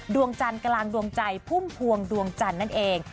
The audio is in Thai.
ดวงจันทร์กลางดวงใจพุ่มพวงดวงจันทร์นั่นเอง